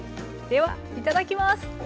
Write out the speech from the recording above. ではいただきます。